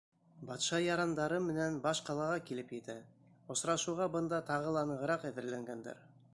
Батша ярандары менән баш ҡалаға килеп етә, осрашыуға бында тағы ла нығыраҡ әҙерләнгәндәр.